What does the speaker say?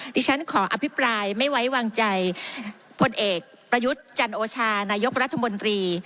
ดิฉันขออภิปรายไม่ไว้วางใจพลเอกประยุทธ์จันโอชานายกรัฐมนตรี